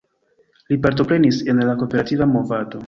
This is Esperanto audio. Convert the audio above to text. Li partoprenis en la kooperativa movado.